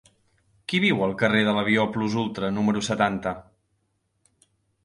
Qui viu al carrer de l'Avió Plus Ultra número setanta?